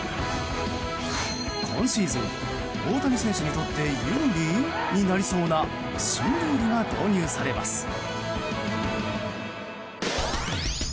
今シーズン、大谷選手にとって有利？になりそうな新ルールが導入されます。